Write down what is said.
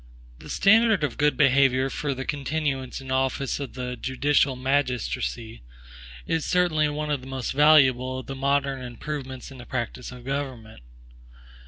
The standard of good behavior for the continuance in office of the judicial magistracy, is certainly one of the most valuable of the modern improvements in the practice of government.